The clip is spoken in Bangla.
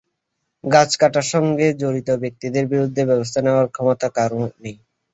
গাছ কাটার সঙ্গে জড়িত ব্যক্তিদের বিরুদ্ধে ব্যবস্থা নেওয়ার ক্ষমতা কারও নেই।